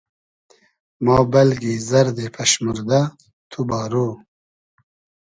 ما بئلگی زئردی پئشموردۂ , تو بارۉ